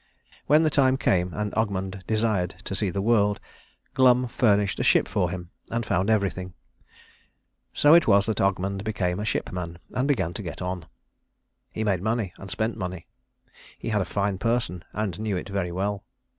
When the time came, and Ogmund desired to see the world, Glum furnished a ship for him and found everything. So it was that Ogmund became a shipman and began to get on. He made money, and spent money. He had a fine person, and knew it very well.